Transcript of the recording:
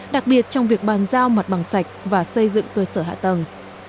đặc biệt trong việc bàn giao mặt bằng sạch và xây dựng cơ sở hạ tầng